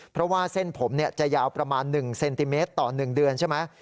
เพราะว่าเส้นผมจะยาวประมาณ๑เซนติเมตรต่อ๑เดือนใช่ไหม